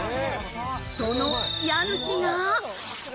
その家主が。